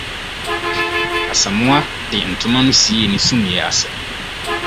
Asamoah di ntoma no siee ne sumii ase.